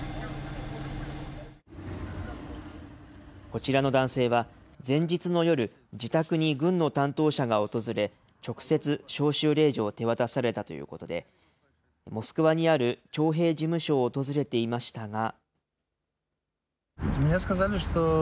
こちらの男性は、前日の夜、自宅に軍の担当者が訪れ、直接、招集令状を手渡されたということで、モスクワにある徴兵事務所を訪れていましたが。